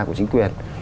của chính quyền